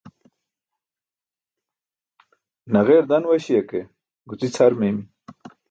Naġeer dan waśi̇ya ke guci̇ cʰar meeymi̇.